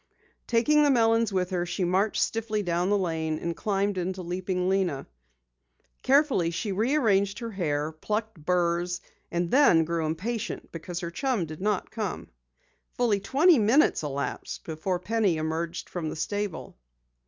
Taking the melons with her, she marched stiffly down the lane and climbed into Leaping Lena. Carefully she rearranged her hair, plucked burs, and then grew impatient because her chum did not come. Fully twenty minutes elapsed before Penny emerged from the stable.